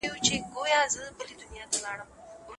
د سرچينو کمښت د هېوادونو ترمنځ اړيکې څنګه خړپړولی سي؟